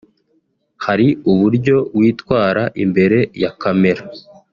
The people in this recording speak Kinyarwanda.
hari uburyo witwara imbere ya camera